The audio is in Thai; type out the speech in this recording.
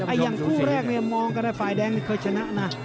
อย่างคู่แรกเนี่ยมองกันว่าฝ่ายแดงนี่เคยชนะนะ